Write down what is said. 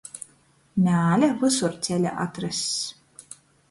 Mēle vysur ceļa atrass.